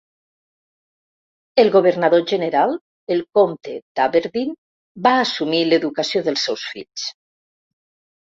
El Governador general, el Comte d'Aberdeen, va assumir l'educació dels seus fills.